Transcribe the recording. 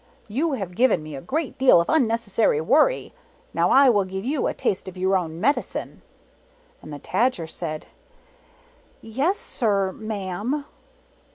You have given me a great deal of unnecessary worry; now I will give you a taste of your own medicine." 16 And the Tajar said, "Yes, sir ma'am."